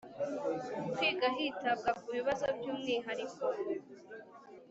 kwiga hitabwa ku bibazo by’umwihariko